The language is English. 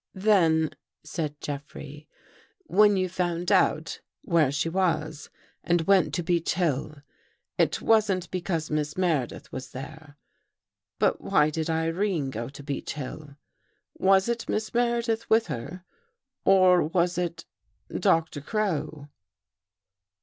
I " Then," said Jeffrey, " when you found out | where she was and went to Beech Hill, it wasn't | because Miss Meredith was there. But why did ' Irene go to Beech Hill? Was it Miss Meredith | with her? Or was it — Doctor Crow?"